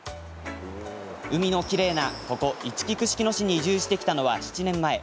海のきれいなここ、いちき串木野市に移住してきたのは７年前。